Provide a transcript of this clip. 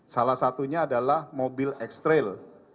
salah satunya adalah mobil ekstrail